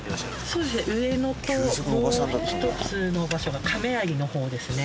そうですね上野ともう一つの場所が亀有のほうですね。